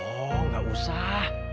oh nggak usah